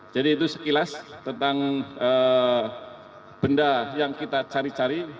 jadi itu sekilas tentang benda yang kita cari cari